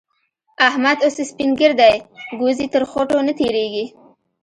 احمد اوس سپين ږير دی؛ ګوز يې تر خوټو نه تېرېږي.